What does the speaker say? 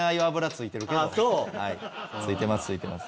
ついてます。